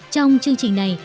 trong chương trình này